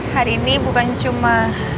hari ini bukan cuma